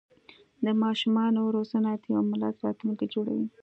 د ماشومانو روزنه د یو ملت راتلونکی جوړوي.